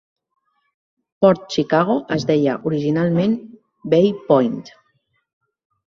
Port Chicago es deia originalment Bay Point.